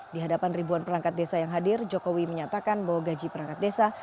di hadapan ribuan perangkat desa yang hadir jokowi menyatakan bahwa gaji perangkat desa